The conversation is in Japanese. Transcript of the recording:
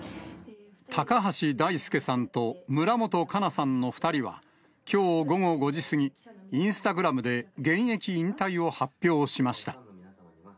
高橋大輔さんと村元哉中さんの２人は、きょう午後５時過ぎ、インスタグラムで現役引退を発表しました。